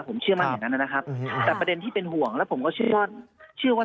ผมเชื่อมั่นอย่างนั้นนะครับแต่ประเด็นที่เป็นห่วงแล้วผมก็เชื่อว่าเชื่อว่า